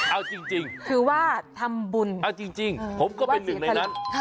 เอาจริงคือว่าทำบุญเอาจริงผมก็เป็นหนึ่งในนั้น